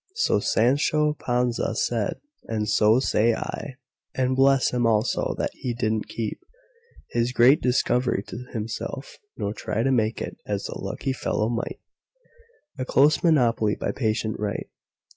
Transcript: So Sancho Panza said, and so say I:And bless him, also, that he did n't keepHis great discovery to himself; nor tryTo make it—as the lucky fellow might—A close monopoly by patent right!